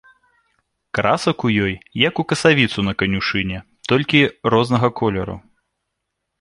Красак у ёй як у касавіцу на канюшыне, толькі рознага колеру.